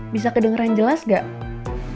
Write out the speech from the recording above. bisa kedengeran jelas gak